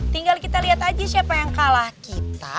tinggal kita lihat aja siapa yang kalah kita